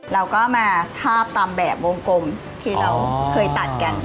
เราก็มาทาบตามแบบวงกลมที่เราเคยตัดกัน